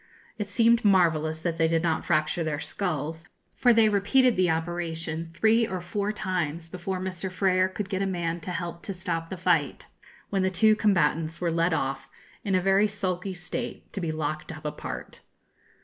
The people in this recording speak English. It seemed marvellous that they did not fracture their skulls, for they repeated the operation three or four times before Mr. Frer could get a man to help to stop the fight, when the two combatants were led off, in a very sulky state, to be locked up apart.